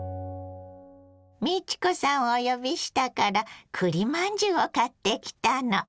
美智子さんをお呼びしたからくりまんじゅうを買ってきたの。